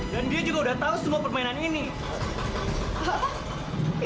dan dia juga udah tahu semua permainan ini